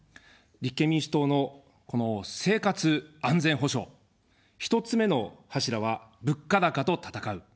立憲民主党の生活安全保障、１つ目の柱は物価高と戦う。